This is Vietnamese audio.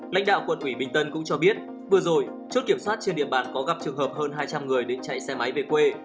lãnh đạo quận ủy bình tân cũng cho biết vừa rồi chốt kiểm soát trên địa bàn có gặp trường hợp hơn hai trăm linh người đến chạy xe máy về quê